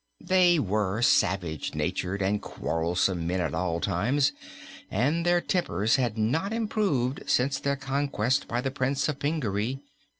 They were savage natured and quarrelsome men at all times, and their tempers had not improved since their conquest by the Prince of Pingaree.